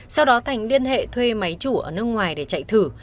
sau đó thành liên hệ thuê máy chủ ở nước ngoài để chạy thử